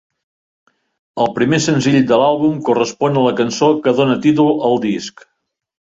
El primer senzill de l'àlbum correspon a la cançó que dóna títol al disc.